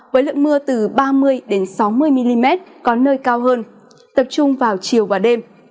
với lượng mưa từ ba mươi sáu mươi mm có nơi cao hơn tập trung vào chiều và đêm